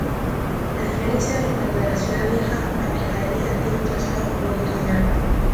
A diferencia del plano de la Ciudad Vieja, la Pescadería tiene un trazado longitudinal.